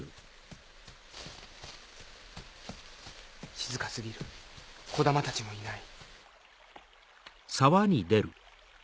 静か過ぎるコダマたちもいない。